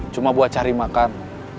cuma buat cari makan